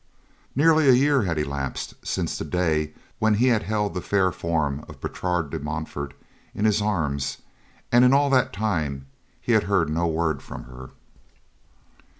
Nearly a year had elapsed since that day when he had held the fair form of Bertrade de Montfort in his arms, and in all that time he had heard no word from her.